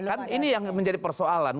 kan ini yang menjadi persoalan